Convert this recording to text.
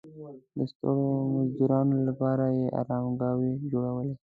د ستړو مزدورانو لپاره یې ارامګاوې جوړولې.